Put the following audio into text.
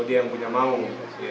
dia yang punya maung